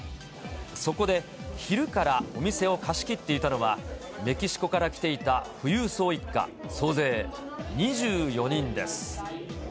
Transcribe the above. そこで、昼からお店を貸し切っていたのは、メキシコから来ていた富裕層一家、総勢２４人です。